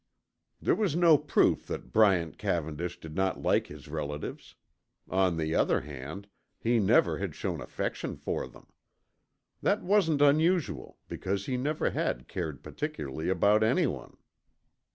There was no proof that Bryant Cavendish did not like his relatives. On the other hand, he never had shown affection for them. That wasn't unusual, because he never had cared particularly about anyone.